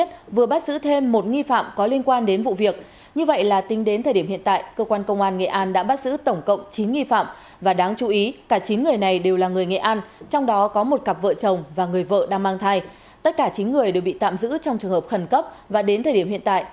tất cả chín người đều bị tạm giữ trong trường hợp khẩn cấp và đến thời điểm hiện tại